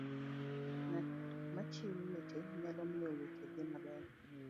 ng'at machiwo weche nyalo miyo weche dhi maber